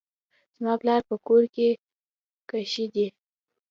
زما پلار په کور کښي دئ.